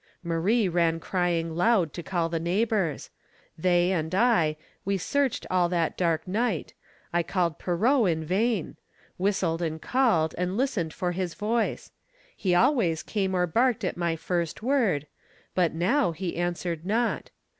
Marie ran crying loud To call the neighbors. They and I, we searched All that dark night. I called Pierrot in vain; Whistled and called, and listened for his voice; He always came or barked at my first word, But now, he answered not.